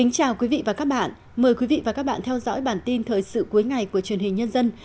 chào mừng quý vị đến với bản tin thời sự cuối ngày của truyền hình nhân dân